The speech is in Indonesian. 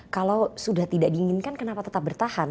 kalau sudah tidak diinginkan kenapa tetap bertahan